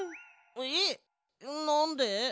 えっなんで？